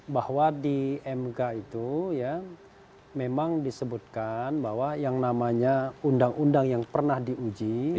bahwa di mk itu ya memang disebutkan bahwa yang namanya undang undang yang pernah diuji